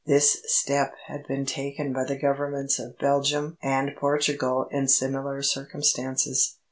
This step had been taken by the Governments of Belgium and Portugal in similar circumstances.